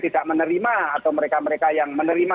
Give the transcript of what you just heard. tidak menerima atau mereka mereka yang menerima